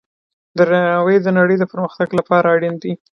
درناوی د نړۍ د پرمختګ لپاره اړین دی.